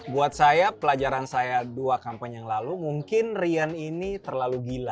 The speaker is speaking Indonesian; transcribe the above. buat saya pelajaran saya dua kampanye yang lalu mungkin rian ini terlalu gila